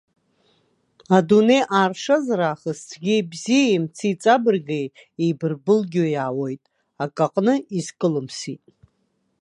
Адунеи ааршазар аахыс цәгьеи бзиеи, мци ҵабырги еибарбылгьо иаауеит, акаҟны изкылымсит.